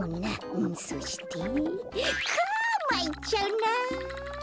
うんそしてくうまいっちゃうな。